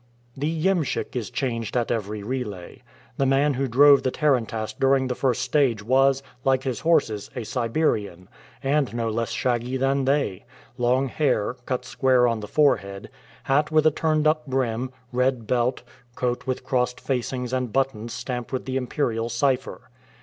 The iemschik is changed at every relay. The man who drove the tarantass during the first stage was, like his horses, a Siberian, and no less shaggy than they; long hair, cut square on the forehead, hat with a turned up brim, red belt, coat with crossed facings and buttons stamped with the imperial cipher.